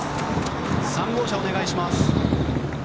３号車、お願いします。